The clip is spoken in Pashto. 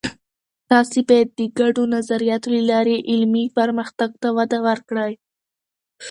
تاسې باید د ګډو نظریاتو له لارې علمي پرمختګ ته وده ورکړئ.